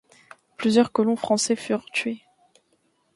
Plusieurs colons français furent tués.